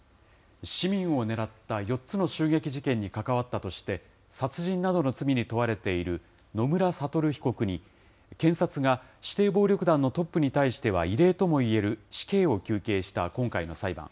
市民を狙った４つの襲撃事件に関わったとして、殺人などの罪に問われている野村悟被告に検察が指定暴力団のトップに対しては異例ともいえる死刑を求刑した今回の裁判。